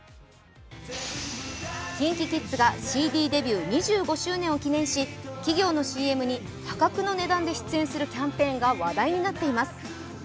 ＫｉｎＫｉＫｉｄｓがＣＤデビュー２５周年を記念し企業のＣＭに破格の値段で出演するキャンペーンが話題になっています。